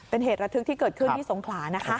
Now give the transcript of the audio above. เป็นเหตุระทึกที่เกิดขึ้นที่สงขลานะคะ